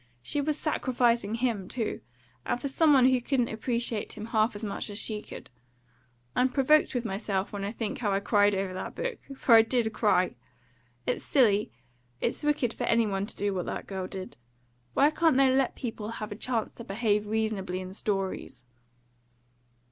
She was sacrificing him too; and for some one who couldn't appreciate him half as much as she could. I'm provoked with myself when I think how I cried over that book for I did cry. It's silly it's wicked for any one to do what that girl did. Why can't they let people have a chance to behave reasonably in stories?"